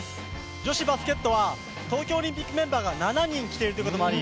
女子バスケットは東京オリンピックメンバーが７人来ているということもあり